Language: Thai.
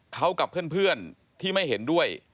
เขากับเพื่อนที่ไม่เห็นด้วย